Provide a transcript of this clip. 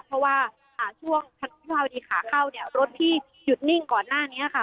เพราะว่าช่วงทางวิภาวดีขาเข้าเนี่ยรถที่หยุดนิ่งก่อนหน้านี้ค่ะ